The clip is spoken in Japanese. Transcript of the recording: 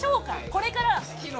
これから？